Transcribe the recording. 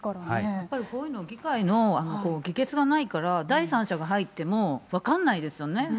やっぱりこういうのを議会の議決がないから、第三者が入っても分かんないですよね。